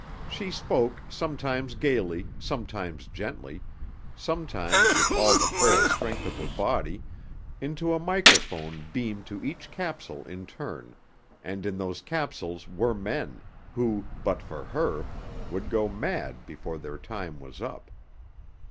She spoke, sometimes gaily, sometimes gently, sometimes with all the frail strength of her body, into a microphone beamed to each capsule in turn, and in those capsules were men, who, but for her, would go mad before their time was up.